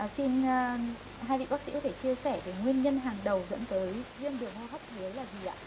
xin hai vị bác sĩ có thể chia sẻ về nguyên nhân hàng đầu dẫn tới viêm đường hô hấp huế là gì ạ